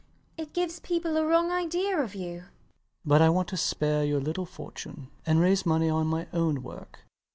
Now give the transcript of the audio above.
It gives people a wrong idea of you. LOUIS. But I want to spare your little fortune, and raise money on my own work.